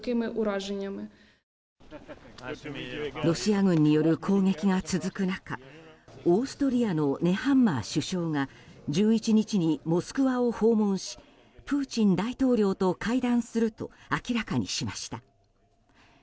ロシア軍による攻撃が続く中オーストリアのネハンマー首相が１１日にモスクワを訪問しプーチン大統領と会談すると明らかにしました。